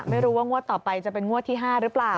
ไม่รู้ว่างวดต่อไปจะเป็นงวดที่๕หรือเปล่า